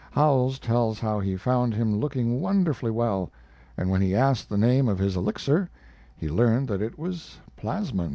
Howells tells how he found him looking wonderfully well, and when he asked the name of his elixir he learned that it was plasmon.